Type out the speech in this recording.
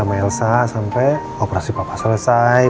sama elsa sampai operasi papa selesai